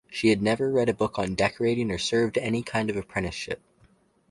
She had never read a book on decorating or served any kind of apprenticeship.